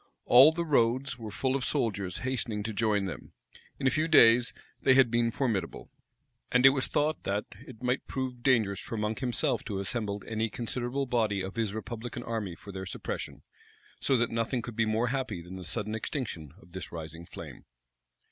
All the roads were full of soldiers hastening to join them. In a few days, they had been formidable. And it was thought, that it might prove dangerous for Monk himself to have assembled any considerable body of his republican army for their suppression: so that nothing could be more happy than the sudden extinction of this rising flame.